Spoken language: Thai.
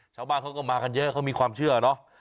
ชาวบ้านเขาก็มากันเยอะเขามีความเชื่อเนอะ